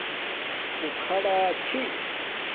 اُݹ کھڑا چِھس